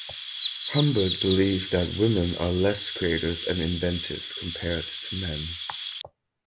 Humbert believed that women are less creative and inventive compared to men.